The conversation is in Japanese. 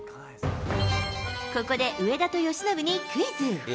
ここで上田と由伸にクイズ。